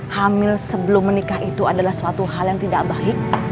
hamil sebelum menikah itu adalah suatu hal yang tidak baik